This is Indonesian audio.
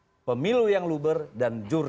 menjamin pemilu yang luber dan jurnal